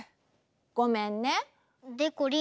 ごめんね。でこりん